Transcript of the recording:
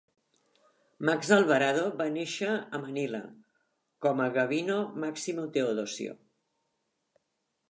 Max Alvarado va néixer a Manila com a Gavino Maximo Teodosio.